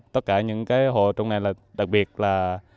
tất cả những cái hộ trong này là đặc biệt là